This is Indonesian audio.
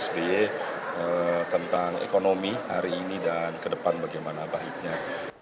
masukan dari pak sbe tentang ekonomi hari ini dan ke depan bagaimana baiknya